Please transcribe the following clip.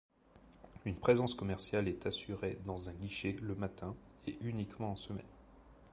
Une présence commerciale est assurée dans un guichet le matin et uniquement en semaine.